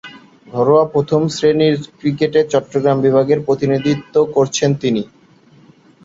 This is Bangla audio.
ঘরোয়া প্রথম-শ্রেণীর ক্রিকেটে চট্টগ্রাম বিভাগের প্রতিনিধিত্ব করেছেন তিনি।